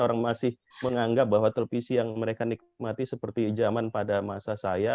orang masih menganggap bahwa televisi yang mereka nikmati seperti zaman pada masa saya